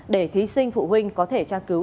để thí sinh phụ huynh có thể tra cứu